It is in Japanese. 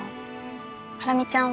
ハラミちゃんは？